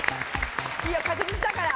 いいよ確実だから。